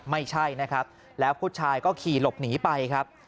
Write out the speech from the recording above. ไม่ใช่นะครับแล้วผู้ชายก็ขี่หลบหนีไปครับ